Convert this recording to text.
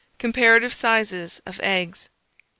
COMPARATIVE SIZES OF EGGS.